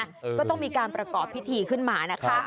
ก็ต้องมีการประกอบพิธีขึ้นมานะคะ